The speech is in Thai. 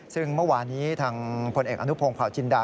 ซึ่งเมื่อวานี้ทางพลเอกอนุพงศ์เผาจินดา